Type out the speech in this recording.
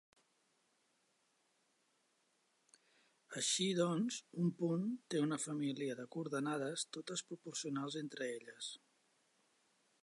Així doncs, un punt té una família de coordenades totes proporcionals entre elles.